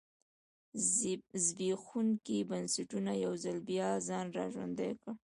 زبېښونکو بنسټونو یو ځل بیا ځان را ژوندی کړ.